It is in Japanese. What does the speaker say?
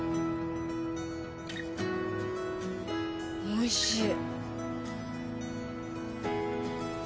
おいしい